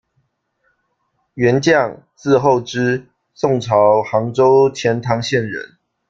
元绛，字厚之，宋朝杭州钱塘县人。